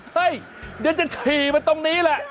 เฮ่ยเดี๋ยวจะชีมาตรงนี้แหละ